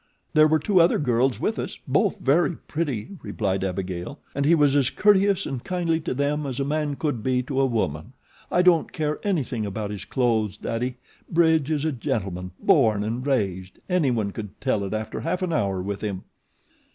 "There were two other girls with us, both very pretty," replied Abigail, "and he was as courteous and kindly to them as a man could be to a woman. I don't care anything about his clothes, Daddy; Bridge is a gentleman born and raised anyone could tell it after half an hour with him."